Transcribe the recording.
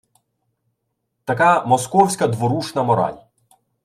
Така московська дворушна мораль